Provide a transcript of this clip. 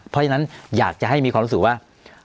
เพราะฉะนั้นอยากจะให้มีความรู้สึกว่า